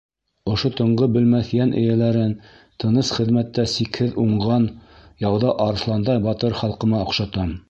Ошо тынғы белмәҫ йән эйәләрен тыныс хеҙмәттә сикһеҙ уңған, яуҙа арыҫландай батыр халҡыма оҡшатам.